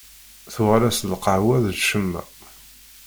Tuɣal-as lqahwa d ccemma.